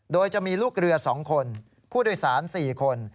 โดยจะมีลูกเรือ๒คนผู้โดยสาร๔คน